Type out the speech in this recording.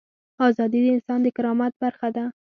ازادي د انسان د کرامت برخه ده.